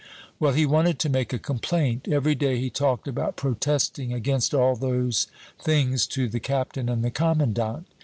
"Well, he wanted to make a complaint. Every day he talked about protesting against all those things to the captain and the commandant.